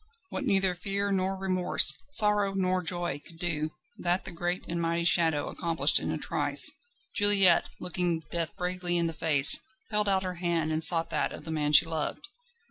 What neither fear nor remorse, sorrow nor joy, could do, that the great and mighty Shadow accomplished in a trice. Juliette, looking death bravely in the face, held out her hand, and sought that of the man she loved.